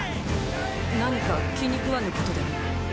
何か気にくわぬことでも？